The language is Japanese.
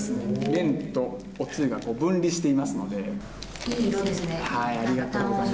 麺とおつゆが分離していますので。